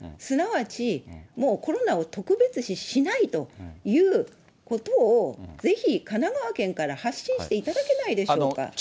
すなわち、もうコロナを特別視しないということを、ぜひ神奈川県から発信していただけないでしょうか。